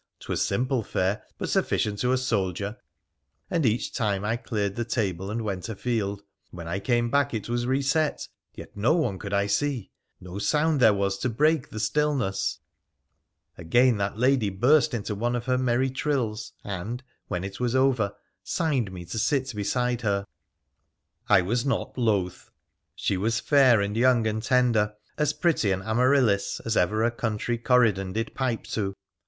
'Twas simple fare, but sufficient to a soldier, and each time I cleared the table and went afield, when I came back it was reset ; yet no one could I see — no sound there was to break the stillness ' Again that lady burst into one of her merry trills, and, when it was over, signed me to sit beside her. I was not loth. She was fair and young and tender — as pretty an Amaryllis as ever a country Corydon did pipe to.